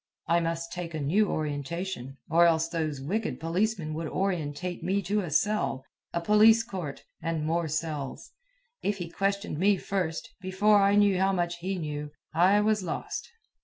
I must take a new orientation, or else those wicked policemen would orientate me to a cell, a police court, and more cells. If he questioned me first, before I knew how much he knew, I was lost.